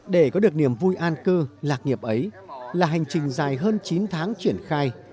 để có được niềm vui an cư lạc nghiệp ấy là hành trình dài hơn chín tháng triển khai